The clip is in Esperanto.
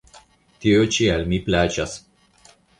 Tio ĉi al mi plaĉas!